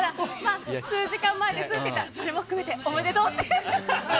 数時間前ですって言ったらそれも含めておめでとうって。